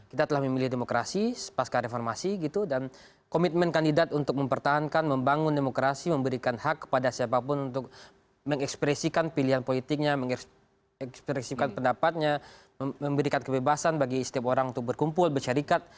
kita telah memilih demokrasi pasca reformasi gitu dan komitmen kandidat untuk mempertahankan membangun demokrasi memberikan hak kepada siapapun untuk mengekspresikan pilihan politiknya mengekspresikan pendapatnya memberikan kebebasan bagi setiap orang untuk berkumpul bersyarikat